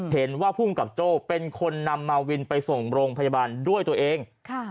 เห็นว่าภูมิกับโจ้เป็นคนนำมาวินไปส่งโรงพยาบาลด้วยตัวเอง